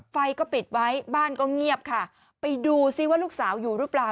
ไฟก็ปิดไว้บ้านก็เงียบค่ะไปดูซิว่าลูกสาวอยู่หรือเปล่า